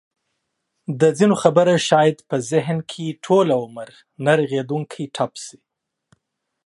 د ځینو خبره شاید په ذهن کې ټوله عمر نه رغېدونکی ټپ شي.